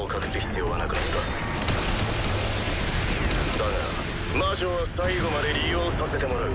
だが魔女は最後まで利用させてもらう。